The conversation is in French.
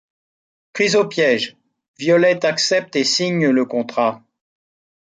Prise au piège, Violette accepte et signe le contrat.